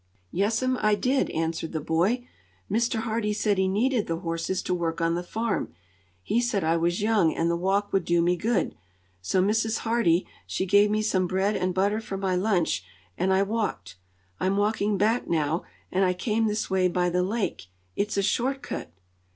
"Yes'm, I did," answered the boy. "Mr. Hardee said he needed the horses to work on the farm. He said I was young, and the walk would do me good. So Mrs. Hardee, she gave me some bread and butter for my lunch, and I walked. I'm walking back now, and I came this way by the lake. It's a short cut.